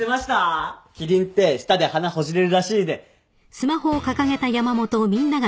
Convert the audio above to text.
キリンって舌で鼻ほじれるらしいで。